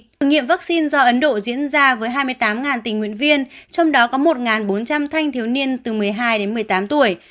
thử nghiệm vaccine do ấn độ diễn ra với hai mươi tám tình nguyện viên trong đó có một bốn trăm linh thanh thiếu niên từ một mươi hai đến một mươi tám tuổi